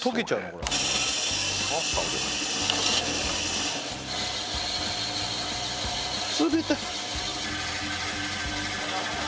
これ冷たい！